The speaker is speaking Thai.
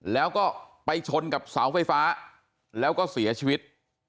แล้วก็ไปชนกับเสาไฟฟ้าแล้วก็เสียชีวิต